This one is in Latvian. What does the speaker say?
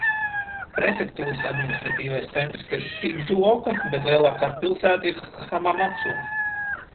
Prefektūras administratīvais centrs ir Sidzuoka, bet lielākā pilsēta ir Hamamacu.